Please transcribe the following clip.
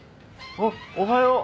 あっおはよう。